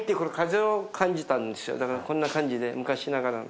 だからこんな感じで昔ながら。